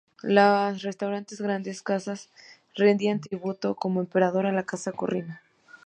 Las restantes Grandes Casas rendían tributo, como Emperador, a la Casa Corrino.